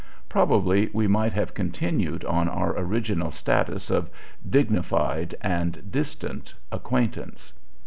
Probably we might have continued on our original status of dignified and distant acquaintance.